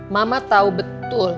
mama tau betul